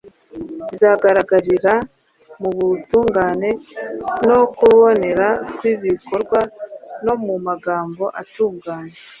bizagaragarira mu butungane no kubonera kw’ibikorwa no mu magambo atunganye.